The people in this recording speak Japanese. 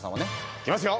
いきますよ！